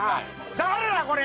誰だこれ！